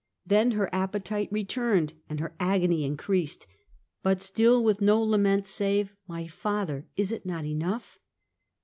Then her appetite returned and her agony increased, but still with no la ment save: "My Father! Is it not enough?"